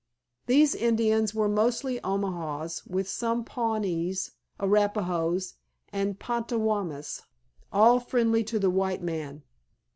These Indians were mostly Omahas, with some Pawnees, Arapahoes and Potawatamis, all friendly to the white man.